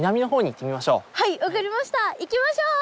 行きましょう！